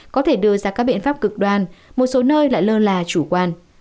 có thể đưa ra các biện pháp cực đoan một số nơi lại lơ là chủ quan